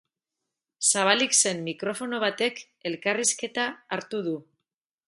Zabalik zen mikrofono batek elkarrizketa hartu du.